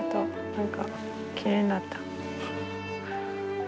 何かきれいになった。